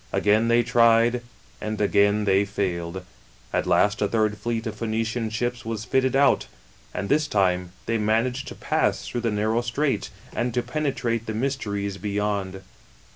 Again they tried, and again they failed. At last a third fleet of Phoenician ships was fitted out ; and this time they managed to *pass through the narrow straits, and to penetrate the mysteries beyond.